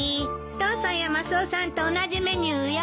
父さんやマスオさんと同じメニューよ。